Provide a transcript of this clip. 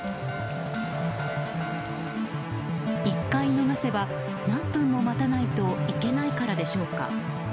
１回逃せば何分も待たないといけないからでしょうか。